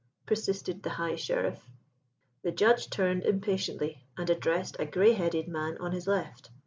persisted the High Sheriff. The Judge turned impatiently and addressed a grey headed man on his left.